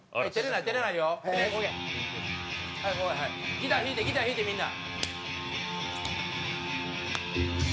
ギター弾いてギター弾いてみんな。